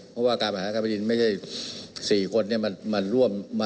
เพราะว่าการผลิตผลิตไม่ได้๔คนมาร่วม